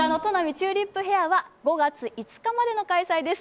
チューリップフェアは５月５日までの開催です。